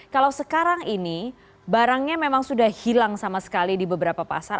kalau sekarang ini barangnya memang sudah hilang sama sekali di beberapa pasar